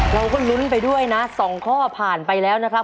เราก็ลุ้นไปด้วยนะ๒ข้อผ่านไปแล้วนะครับ